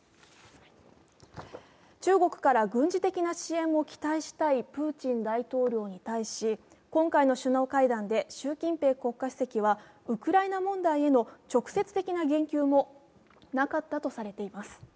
中国から軍事的支援を期待したいプーチン大統領に対し今回の首脳会談で習近平国家主席はウクライナ問題への直接的な言及もなかったとされています。